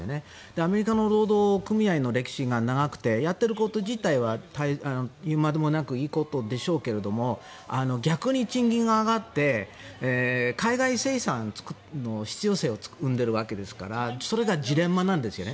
アメリカの労働組合の歴史が長くてやっていること自体は言うまでもなくいいことでしょうけど逆に賃金が上がって海外生産の必要性を生んでるわけですからそれがジレンマなんですよね。